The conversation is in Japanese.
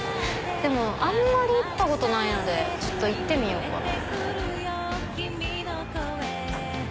でもあんまり行ったことないのでちょっと行ってみようかな。